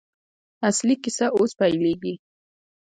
اصلي کیسه اوس پیلېږي.